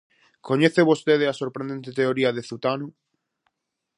Coñece vostede a sorprendente teoría de Zutano?